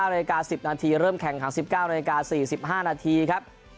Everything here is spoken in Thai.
๑๙น๑๐นเริ่มแข่งขัง๑๙น๔๑๕นครับ